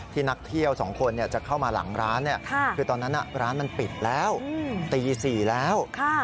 นักเที่ยว๒คนจะเข้ามาหลังร้านคือตอนนั้นร้านมันปิดแล้วตี๔แล้ว